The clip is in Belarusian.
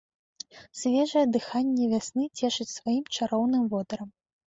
Свежае дыханне вясны цешыць сваім чароўным водарам.